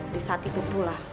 di saat itu pula